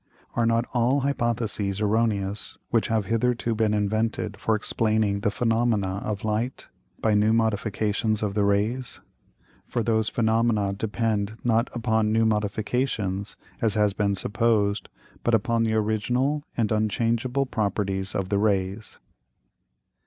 Are not all Hypotheses erroneous which have hitherto been invented for explaining the Phænomena of Light, by new Modifications of the Rays? For those Phænomena depend not upon new Modifications, as has been supposed, but upon the original and unchangeable Properties of the Rays.